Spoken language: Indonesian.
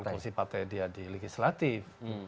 kursi partai dia di legislatif